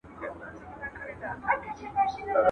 o يوه ورځ ديد، بله ورځ شناخت.